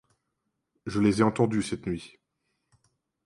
Je les ai entendus cette nuit.